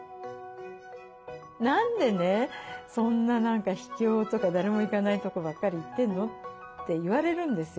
「何でねそんな何か秘境とか誰も行かないとこばっかり行ってんの？」って言われるんですよ。